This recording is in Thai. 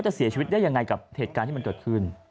จะเสียชีวิตได้ยังไงกับเหตุการณ์ที่มันเกิดขึ้น